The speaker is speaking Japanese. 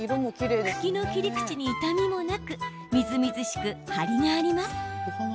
茎の切り口に傷みもなくみずみずしく張りがあります。